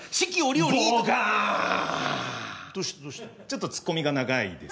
ちょっとツッコミが長いですね。